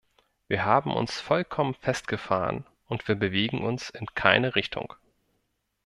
Wir haben uns vollkommen festgefahren, und wir bewegen uns in keine Richtung.